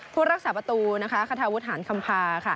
ผู้รักษาประตูคาทาวุฒหารคำพา